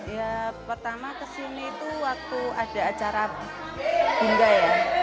ya pertama kesini tuh waktu ada acara bingga ya